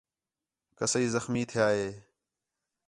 کسائی زخمی تِھیا ہِے